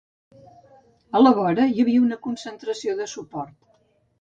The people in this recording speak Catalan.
A la vora, hi havia una concentració de suport.